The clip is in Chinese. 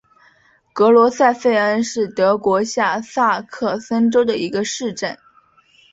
格罗塞费恩是德国下萨克森州的一个市镇。